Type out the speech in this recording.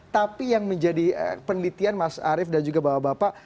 tapi yang menjadi penelitian mas arief dan juga bapak bapak